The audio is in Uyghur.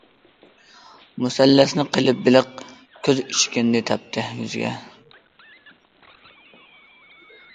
مۇسەللەسنى قىلىپ بېلىق كۆز، ئىچكىنىدە تەپتى يۈزىگە.